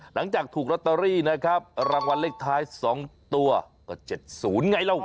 หลังจากถูกลอตเตอรี่นะครับรางวัลเลขท้าย๒ตัวก็๗๐ไงล่ะ